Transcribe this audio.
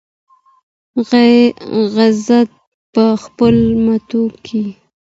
عزت په خپلو مټو کیږي.